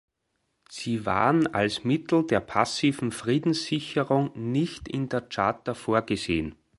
Sie waren als Mittel der passiven Friedenssicherung nicht in der Charta vorgesehen.